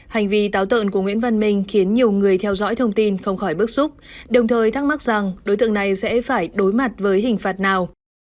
hành vi táo tợn của nguyễn văn minh khiến nhiều người theo dõi thông tin không khỏi bức xúc đồng thời thắc mắc rằng đối tượng này sẽ phải đối mặt với hình phạt nào